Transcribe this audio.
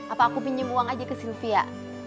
apa aku pinjam uang aja ke sylvia